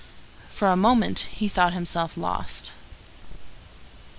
For a moment he thought himself lost.